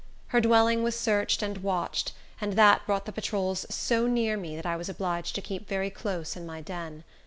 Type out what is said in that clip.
Her dwelling was searched and watched, and that brought the patrols so near me that I was obliged to keep very close in my den.